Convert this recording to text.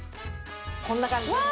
こんな感じでね。